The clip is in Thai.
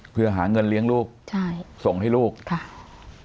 เพื่อหาเงินเลี้ยงลูกใช่ส่งให้ลูกค่ะ